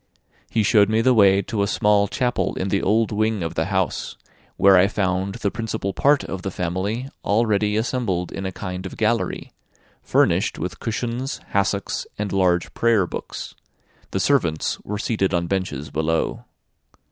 He showed me the way to a small chapel in the old wing of the house, where I found the principal part of the family already assembled in a kind of gallery, furnished with cushions, hassocks, and large prayer books; the servants were seated on benches below.